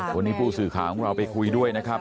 วันนี้ผู้สื่อข่าวของเราไปคุยด้วยนะครับ